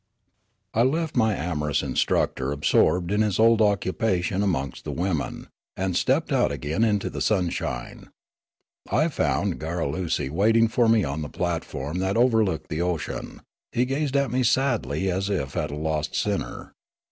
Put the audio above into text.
I left my amorous instructor absorbed in his old occupation amongst the women, and stepped out again into the sunshine. I found Garrulesi waiting for me on the platform that overlooked the ocean. He gazed at me sadly as if at a lost sinner.